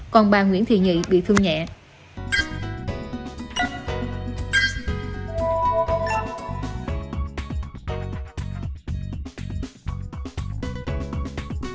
còn bà nguyễn thị nhị bị thương nhẹ